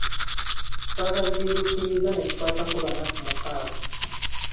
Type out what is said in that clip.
Twabazinduukirizza netukwatako bana ku mukaaga.